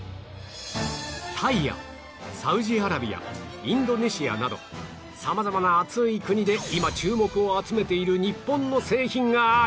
タイやサウジアラビアインドネシアなどさまざまな暑い国で今注目を集めている日本の製品がある